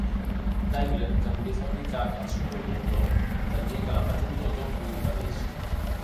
Daimler, que volia fabricar el seu propi motor, temia que la patent d'Otto ho impedís.